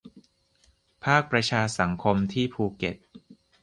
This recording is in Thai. ภาคประชาสังคมที่ภูเก็ต